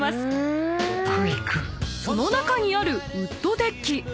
［その中にあるウッドデッキ］